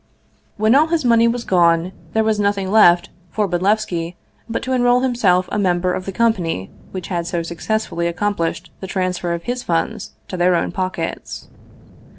When all his money was gone, there was nothing left for Bodlevski but to enroll himself a member of the com pany which had so successfully accomplished the transfer of his funds to their own pockets.